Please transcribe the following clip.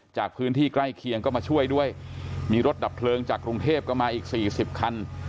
จากพื้นที่ใกล้เคียงก็มาช่วยด้วยมีรถดับเพลิงจากกรุงเทพก็มาอีกสี่สิบคัน